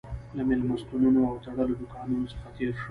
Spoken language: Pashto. له مېلمستونونو او تړلو دوکانونو څخه تېر شوو.